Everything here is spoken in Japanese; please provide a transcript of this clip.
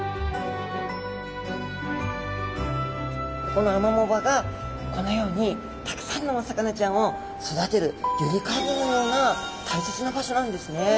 このアマモ場がこのようにたくさんのお魚ちゃんを育てるゆりかごのような大切な場所なんですね。